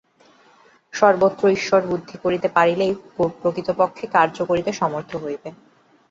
সর্বত্র ঈশ্বরবুদ্ধি করিতে পারিলেই প্রকৃতপক্ষে কার্য করিতে সমর্থ হইবে।